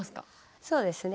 そうですね。